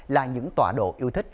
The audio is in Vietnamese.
là những tọa độ yêu thích